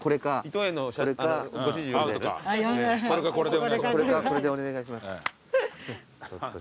これかこれでお願いします。